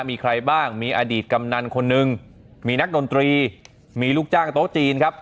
มีใครบ้างมีอดีตกำนันคนนึงมีนักดนตรีมีลูกจ้างโต๊ะจีนครับ